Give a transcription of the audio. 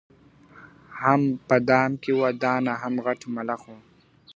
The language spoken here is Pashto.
هم په دام کي وه دانه هم غټ ملخ وو .